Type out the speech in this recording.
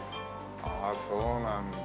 ああそうなんだ。